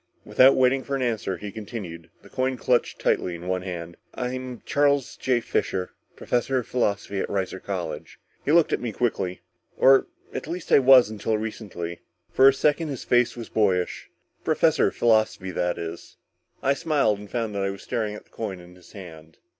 Without waiting for an answer, he continued, the coin clutched tightly in one hand. "I'm Charles J. Fisher, professor of philosophy at Reiser College." He looked at me quickly. "Or at least I was until recently." For a second his face was boyish. "Professor of philosophy, that is." I smiled and found that I was staring at the coin in his hand.